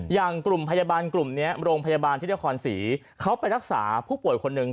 อย่างกลุ่มพยาบาลกลุ่มนี้โรงพยาบาลที่นครศรีเขาไปรักษาผู้ป่วยคนหนึ่ง